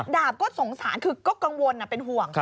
ดาบก็สงสารคือก็กังวลเป็นห่วง